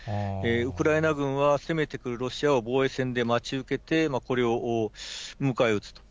ウクライナ軍は攻めてくるロシアを防衛線で待ち受けて、これを迎え撃つと。